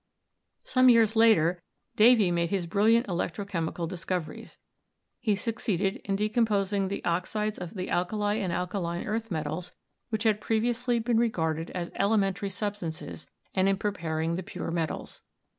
"Some years later Davy made his brilliant electro chem ical discoveries. He succeeded in decomposing the oxides 250 ELECTRICITY of the alkali and alkaline earth metals, which had previ ously been regarded as elementary substances, and in pre paring the pure metals.